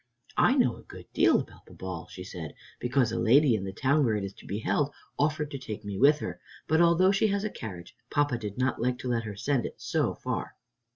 "I know a good deal about the ball," she said, "because a lady in the town where it is to be held offered to take me with her, but although she has a carriage, Papa did not like to let her send it so far."